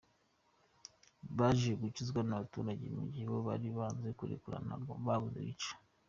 Baje gukizwa n’abaturage mugihe bo bari banze kurekurana rwabuze gica.